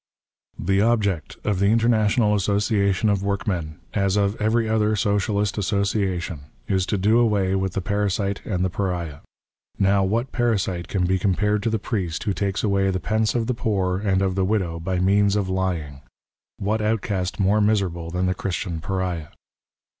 *' The object of the International Association of " Workmen, as of every other Socialist Association, is to " do away with the parasite and the pariah. Now, what *' parasite can be compared to the priest who takes away " the pence of the poor and of the widow by means of *' lying. What outcast more miserable than the Christian " Pariah.